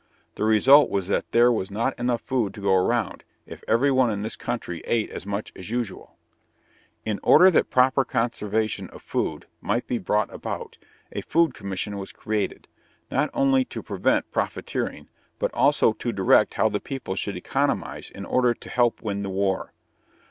The result was that there was not enough food to go round, if every one in this country ate as much as usual. In order that proper conservation of food might be brought about, a food commission was created, not only to prevent profiteering, but also to direct how the people should economize in order to help win the war.